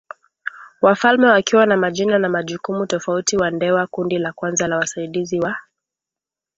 Wafalme wakiwa na majina na majukumu tofautiWandewa Kundi la kwanza la wasaidizi wa